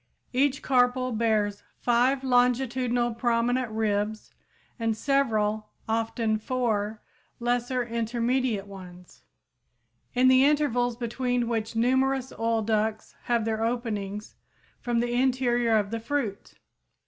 Each carpel bears five longitudinal prominent ribs and several, often four, lesser intermediate ones, in the intervals between which numerous oil ducts have their openings from the interior of the fruit.